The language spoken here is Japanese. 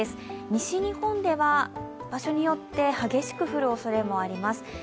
西日本では場所によって激しく降るおそれもあります。